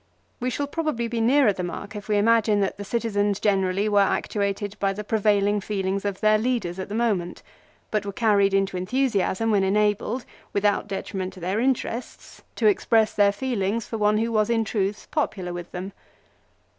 We shall probably be nearer the mark if we imagine that the citizens generally were actuated by the prevailing feelings of their leaders at the moment ; but were carried into enthusiasm when enabled, without detriment to their interests, to express their feelings for one who was in truth popular with them.